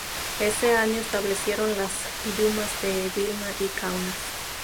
Ese año se establecieron las dumas de Vilna y Kaunas.